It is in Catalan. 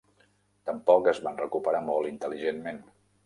Tampoc es va recuperar molt intel·ligentment.